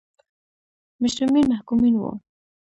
مجرمین محکومین وو.